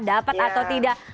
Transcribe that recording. dapat atau tidak